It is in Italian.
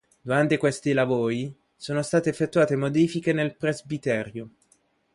Durante questi lavori sono state effettuate modifiche nel presbiterio.